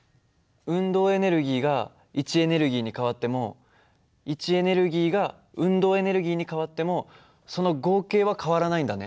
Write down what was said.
運動エネルギーが位置エネルギーに変わっても位置エネルギーが運動エネルギーに変わってもその合計は変わらないんだね。